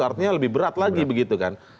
artinya lebih berat lagi begitu kan